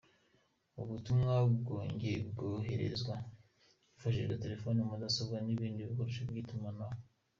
Ubu butumwa bwoherezwa hifashishijwe telefoni, mudasobwa, n’ibindi bikoresho by’itumanaho.